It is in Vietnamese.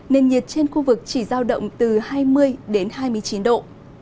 nền nhiệt trên khu vực chỉ giao động từ hai mươi đến hai mươi chín độ